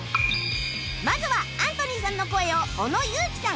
まずはアントニーさんの声を小野友樹さん